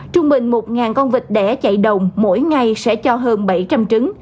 trung bình một con vịt đẻ chạy đồng mỗi ngày sẽ cho hơn bảy trăm linh trứng